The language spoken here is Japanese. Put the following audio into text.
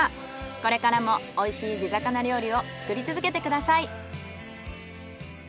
これからもおいしい地魚料理を作り続けてください。